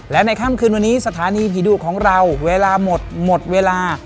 และในค่ำคืนวันนี้สถานีผีดุของเราเวลาหมดหมดเวลา